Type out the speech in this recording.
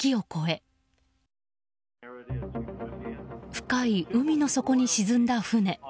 深い海の底に沈んだ船。